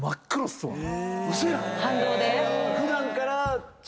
だから今。